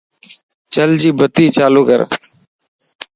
چل جي بتي چالو ڪر